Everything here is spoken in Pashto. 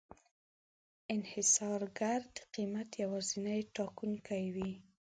انحصارګر د قیمت یوازینی ټاکونکی وي.